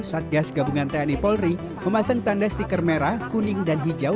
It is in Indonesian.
satgas gabungan tni polri memasang tanda stiker merah kuning dan hijau